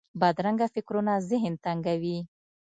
بدرنګه فکرونه ذهن تنګوي